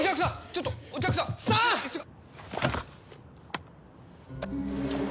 ちょっとお客さん！イスが。